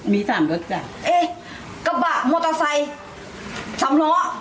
มีสามรถจ้ะเอ๊ะกระบะมอเตอร์ไซค์สามล้อ